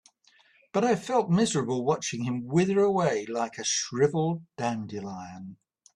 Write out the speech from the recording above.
But I felt miserable watching him wither away like a shriveled dandelion.